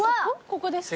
ここですか？